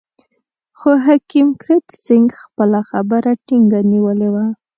خو حکیم کرت سېنګ خپله خبره ټینګه نیولې وه.